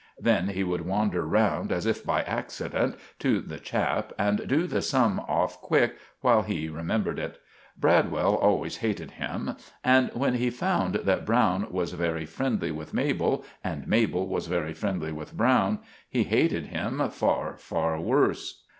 Then he would wander round, as if by accident, to the chap and do the sum off quick while he remembered it. Bradwell always hated him; and when he found that Browne was very friendly with Mabel and Mabel was very friendly with Browne, he hated him far, far wurse.